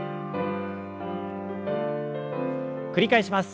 繰り返します。